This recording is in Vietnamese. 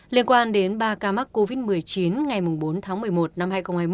liên quan đến ba ca mắc covid một mươi chín ngày bốn tháng một mươi một năm hai nghìn hai mươi một